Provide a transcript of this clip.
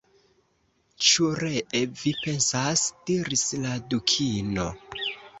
"Ĉu ree vi pensas?" diris la Dukino.